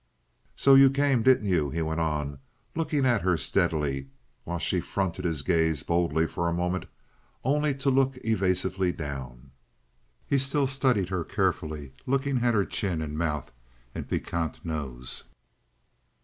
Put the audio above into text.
"So you came, didn't you?" he went on, looking at her steadily, while she fronted his gaze boldly for a moment, only to look evasively down. He still studied her carefully, looking at her chin and mouth and piquant nose.